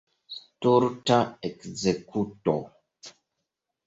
Stulta ekzekuto!